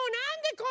これ！